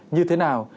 như thế nào